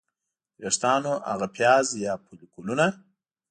د ویښتانو هغه پیاز یا فولیکولونه